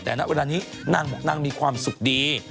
แต่ณเวลานี้นางบอกนางมีความสุขดี